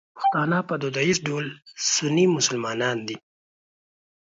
پښتانه په دودیز ډول سني مسلمانان دي.